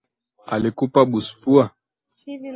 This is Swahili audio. Alikupa busu pua?